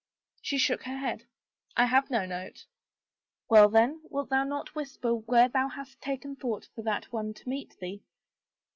She shook her head, " I have no note." " Well then, wilt thou not whisper where thou hast taken thought for that one to meet thee?